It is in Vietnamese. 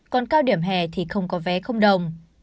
còn cao điểm hè thì không có vé đồng